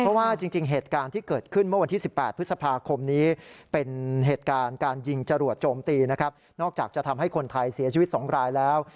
เพราะว่าจริงเหตุการณ์ที่เกิดขึ้นเมื่อวันที่๑๘พฤษภาคมนี้เป็นเหตุการณ์การยิงจรวดโจมตีนะครับนอกจากจะทำให้คนไทยเสียชีวิต๒รายแล้ว